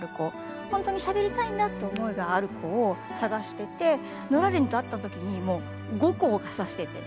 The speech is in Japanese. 本当にしゃべりたいんだって思いがある子を探しててノラルディンと会った時にもう後光がさしてて光ってて。